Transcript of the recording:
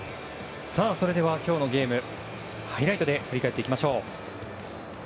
それでは今日のゲームハイライトで振り返っていきます。